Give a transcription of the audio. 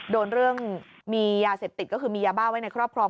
โดนเรื่องมียาเสพติดก็คือมียาบ้าไว้ในครอบครอง